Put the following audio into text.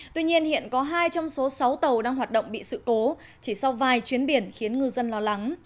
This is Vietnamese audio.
tuy nhiên hiện có hai trong số sáu tàu đang hoạt động bị sự cố chỉ sau vài chuyến biển khiến ngư dân lo lắng